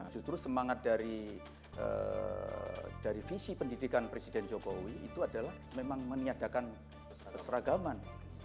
justru semangat dari visi pendidikan presiden jokowi itu adalah memang meniadakan keseragaman